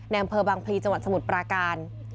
แน่นเมืองบางพลีจังหวัดสมุทรปราการ